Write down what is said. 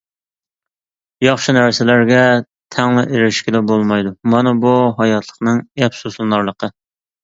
ياخشى نەرسىلەرگە تەڭلا ئېرىشكىلى بولمايدۇ، مانا بۇ ھاياتلىقنىڭ ئەپسۇسلىنارلىقى.